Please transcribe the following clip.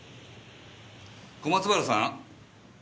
小松原さん。